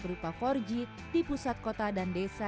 berupa empat g di pusat kota dan desa